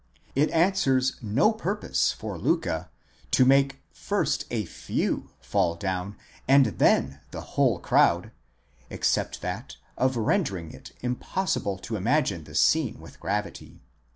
It answers no purpose for Liicke to make first a few fall down and then the whole crowd, except that of rendering it impossible to imagine the scene with gravity.